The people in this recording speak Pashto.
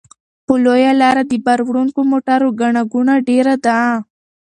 په لویه لاره د بار وړونکو موټرو ګڼه ګوڼه ډېره ده.